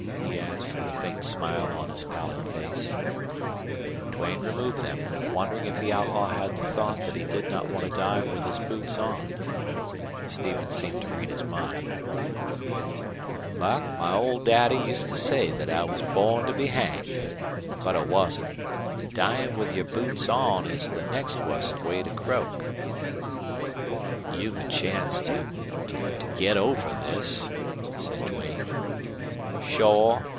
he asked, with a faint smile on his pallid face. Duane removed them, wondering if the outlaw had the thought that he did not want to die with his boots on. Stevens seemed to read his mind. "Buck, my old daddy used to say thet I was born to be hanged. But I wasn't an' dyin' with your boots on is the next wust way to croak." "You've a chance to to get over this," said Duane. "Shore.